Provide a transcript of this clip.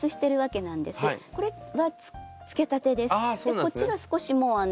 こっちが少しもうあの。